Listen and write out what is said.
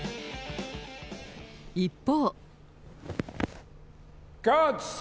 一方。